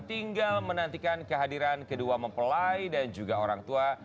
tinggal menantikan kehadiran kedua mempelai dan juga orang tua